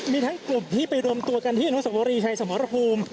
มีทั้งกลุ่มที่ไปรวมตัวกันที่อนุสวรีชัยสมรภูมิ